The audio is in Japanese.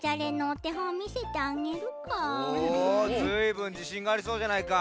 おずいぶんじしんがありそうじゃないか。